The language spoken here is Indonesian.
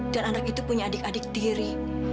dan anak itu punya adik adik diri